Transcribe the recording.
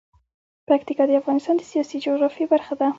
پکتیکا د افغانستان د سیاسي جغرافیه برخه ده.